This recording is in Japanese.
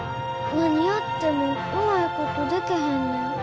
何やってもうまいことでけへんねん。